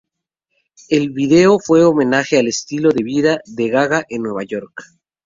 El video fue un homenaje al estilo de vida de Gaga en Nueva York.